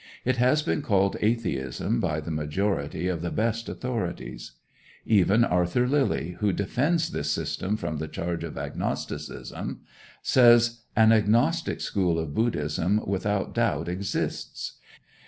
It has been called atheism by the majority of the best authorities. Even Arthur Lillie, who defends this system from the charge of agnosticism, says: "An agnostic school of Buddhism without doubt exists.